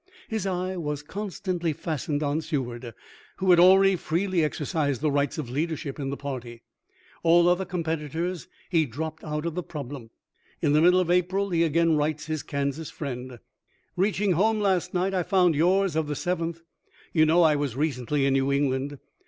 His eye was con stantly fastened on Seward, who had already freely exercised the rights of leadership in the party. All other competitors he dropped out of the problem. In the middle of April he again writes his Kansas friend :" Reaching home last night I found yours of the 7th. You know I was recently in New Eng land.